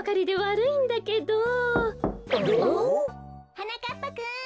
・はなかっぱくん。